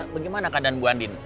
bagaimana keadaan bu andin